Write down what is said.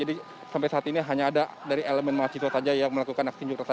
jadi sampai saat ini hanya ada dari elemen mahasiswa saja yang melakukan aksi unjuk rasa